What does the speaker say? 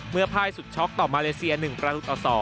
พ่ายสุดช็อกต่อมาเลเซีย๑ประตูต่อ๒